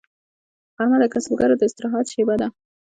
غرمه د کسبګرو د استراحت شیبه ده